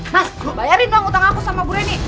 mas gue bayarin dong utang aku sama bu reni